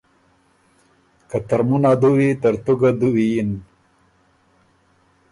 که ترمُن ا دُوّي ترتُو ګه دُوی یِن،